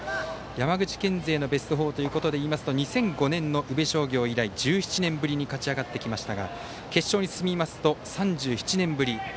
山口県勢のベスト４でいいますと２００５年の宇部商業以来１７年ぶりに勝ち上がってきましたが決勝に進みますと３７年ぶり